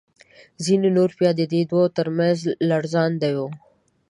ځینې نور بیا د دې دوو تر منځ لړزانده وو.